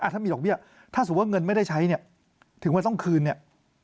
ถ้ามีดอกเบี้ยถ้าสมมุติว่าเงินไม่ได้ใช้เนี่ยถึงวันต้องคืนเนี่ย